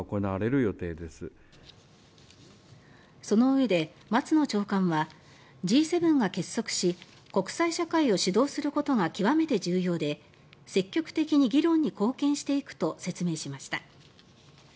そのうえで松野長官はＧ７が結束し国際社会を主導することが極めて重要で積極的に議論に貢献していくと説明しました。